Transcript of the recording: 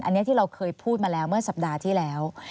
อันนี้ที่เราเคยพูดมาแล้วเมื่อสัปดาห์ที่แล้ว